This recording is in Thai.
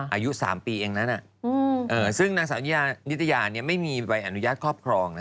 อายุ๓ปีเองนั้นซึ่งนางสาวนิตยาไม่มีใบอนุญาตครอบครอง